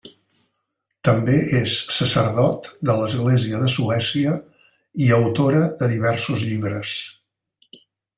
També és sacerdot de l'Església de Suècia i autora de diversos llibres.